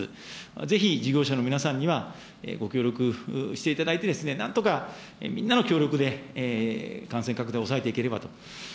ぜひ事業者の皆さんには、ご協力していただいて、なんとかみんなの協力で感染拡大を抑えていければと。